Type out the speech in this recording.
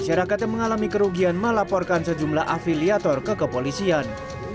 masyarakat yang mengalami kerugian melaporkan sejumlah afiliator kekepolisian